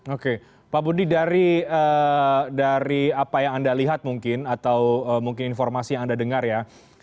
oke pak budi dari apa yang anda lihat mungkin atau mungkin informasi yang anda dengar ya